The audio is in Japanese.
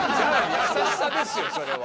優しさですよそれは。